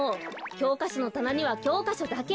きょうかしょのたなにはきょうかしょだけ。